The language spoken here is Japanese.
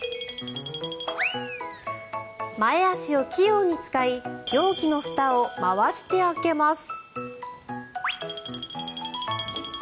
前足を器用に使い容器のふたを回して開けます。